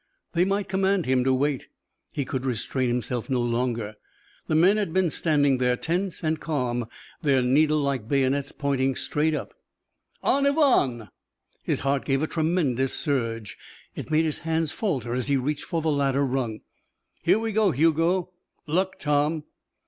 They might command him to wait he could restrain himself no longer. The men had been standing there tense and calm, their needle like bayonets pointing straight up. "En avant!" His heart gave a tremendous surge. It made his hands falter as he reached for the ladder rung. "Here we go, Hugo." "Luck, Tom."